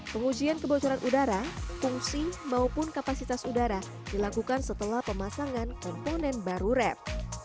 pengujian kebocoran udara fungsi maupun kapasitas udara dilakukan setelah pemasangan komponen baru rep